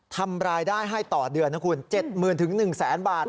ทำรายได้ให้ต่อเดือนนะคุณ๗๐๐๑๐๐๐บาท